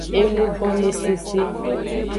Enugomesese.